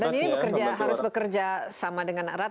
dan ini harus bekerja sama dengan erat